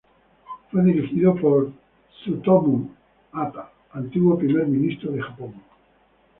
Fue dirigido por Tsutomu Hata, antiguo Primer Ministro de Japón.